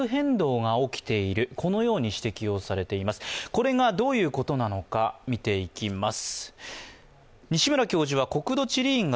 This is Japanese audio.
これがどういうことなのか見ていきます。